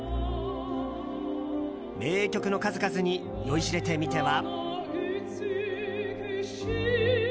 名曲の数々に酔いしれてみては。